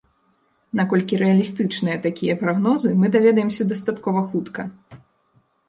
Наколькі рэалістычныя такія прагнозы, мы даведаемся дастаткова хутка.